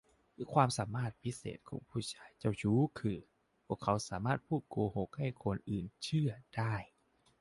ความสามารถพิเศษของผู้ชายเจ้าชู้คือ พวกเขาสามารถพูดโกหกให้คนอื่นเชื่อได้